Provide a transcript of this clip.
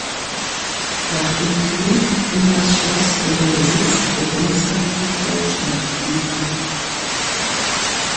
Nach dem Krieg ging das Schloss in den Besitz der Bundesrepublik Deutschland über.